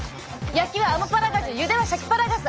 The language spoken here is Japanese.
焼きはアマパラガジュゆではシャキパラガス